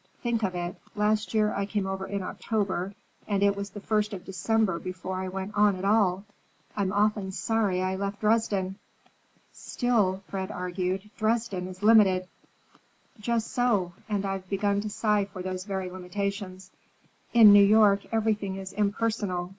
Think of it, last year I came over in October, and it was the first of December before I went on at all! I'm often sorry I left Dresden." "Still," Fred argued, "Dresden is limited." "Just so, and I've begun to sigh for those very limitations. In New York everything is impersonal.